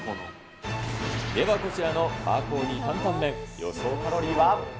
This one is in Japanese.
では、こちらのパーコーＤ担々麺、予想カロリーは。